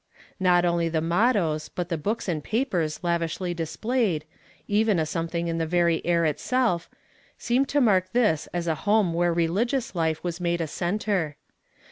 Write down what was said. Not only the mottoes, but the books and papers lavishly displayed, even a certain somethino' in , "I WILL HICEIC HIM. 139 his the very air itself, seemed to mark this as a home whose religious life was made a centre.